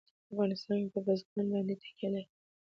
افغانستان په بزګان باندې تکیه لري.